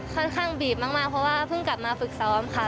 ค่อนข้างบีบมากเพราะว่าเพิ่งกลับมาฝึกซ้อมค่ะ